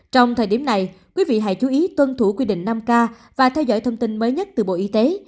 trong thời điểm này quý vị hãy chú ý tuân thủ quy định năm k và theo dõi thông tin mới nhất từ bộ y tế